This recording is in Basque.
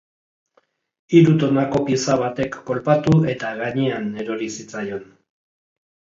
Hiru tonako pieza batek kolpatu eta gainean erori zitzaion.